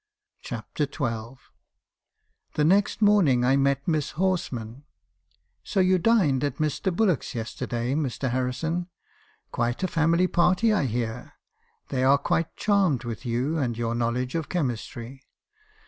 CHAPTER XH. "The next morning I met Miss Horsman. '"So you dined at Mr. Bullock's yesterday, Mr. Harrison? Quite a family party, I hear. They are quite charmed with you, and your knowledge of chemistry.